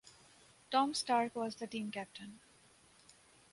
Tom Stark was the team captain.